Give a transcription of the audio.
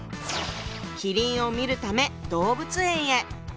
麒麟を見るため動物園へ。